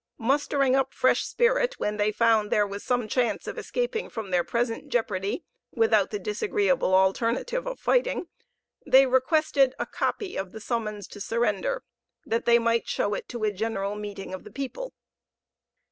Mustering up fresh spirit, when they found there was some chance of escaping from their present jeopardy without the disagreeable alternative of fighting, they requested a copy of the summons to surrender, that they might show it to a general meeting of the people.